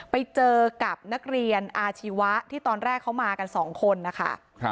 ไปเจอกับนักเรียนอาชีวะที่ตอนแรกเขามากันสองคนนะคะ